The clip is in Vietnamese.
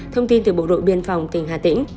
thông tin từ bộ đội biên phòng tỉnh hà tĩnh